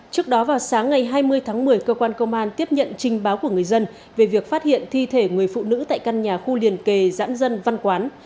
trước đó vào sáng ngày hai mươi tháng một mươi cơ quan công an tiếp nhận trình báo của người dân về việc phát hiện thi thể người phụ nữ tại căn nhà khu liền kề giãn dân văn quán